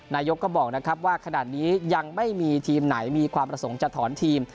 นายกก็บอกนะครับว่าขนาดนี้ยังไม่มีทีมไหนมีความประสงค์จะถอนทีม